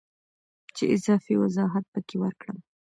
چې اضافي وضاحت پکې ورکړم